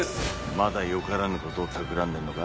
まだ良からぬ事をたくらんでるのか？